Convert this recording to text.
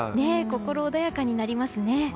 心穏やかになりますね。